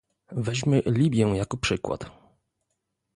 Weźmy Libię jako przykład